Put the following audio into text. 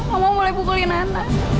mama boleh pukulin ana